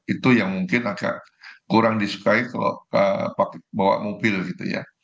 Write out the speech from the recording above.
itu yang mungkin agak kurang disukai kalau bawa mobil gitu ya